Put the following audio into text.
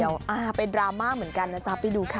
เดี๋ยวเป็นดราม่าเหมือนกันนะจ๊ะไปดูค่ะ